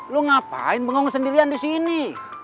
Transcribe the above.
lo ngapain bengong sendirian disini